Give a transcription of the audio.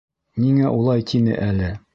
Ниңә улай тине әле?